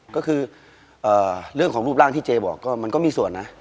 ก็คือเรื่องของรูปร่างที่เจบอกก็มันก็มีส่วนนะ